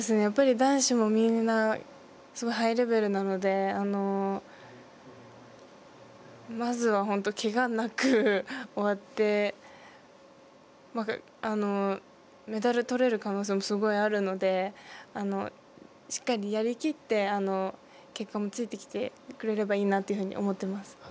男子もみんなすごいハイレベルなのでまずは本当けがなく終わって、メダル取れる可能性もすごくあるのでしっかりやりきって結果もついてきてくれればいいなというふうに思ってます。